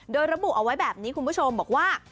โดยระบุเอาไว้แบบนี้คุณผู้ชมบอกว่า